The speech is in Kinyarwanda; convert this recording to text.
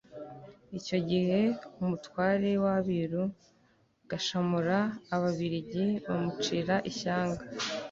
icyo gihe umutware w'abiru gashamura ababiligi bamucira ishyanga